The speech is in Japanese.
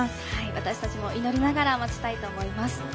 私たちも祈りながら待ちたいと思います。